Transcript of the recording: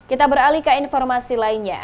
kita beralih ke informasi lainnya